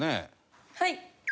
はい。